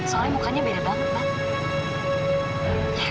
soalnya mukanya beda banget bang